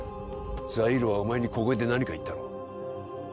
ザイールはお前に小声で何か言ったろ？